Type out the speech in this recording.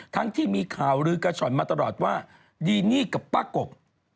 ที่มีข่าวลือกระช่อนมาตลอดว่าดีนี่กับป้ากบ